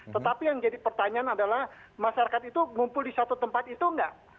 tetapi yang jadi pertanyaan adalah masyarakat itu ngumpul di satu tempat itu nggak